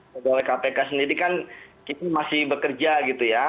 pertama pegawai kpk sendiri kan masih bekerja gitu ya